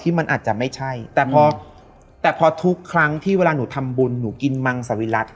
มันอาจจะไม่ใช่แต่พอแต่พอทุกครั้งที่เวลาหนูทำบุญหนูกินมังสวิรัติ